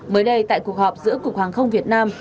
mới đây tại cuộc họp giữa cục hàng không việt nam